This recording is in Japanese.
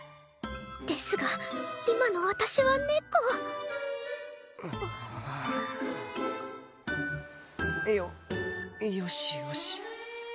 ですが今の私は猫よよしよし。